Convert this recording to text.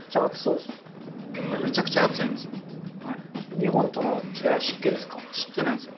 日本との違いは湿気ですか？